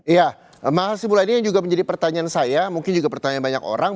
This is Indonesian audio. ya maha simula ini yang juga menjadi pertanyaan saya mungkin juga pertanyaan banyak orang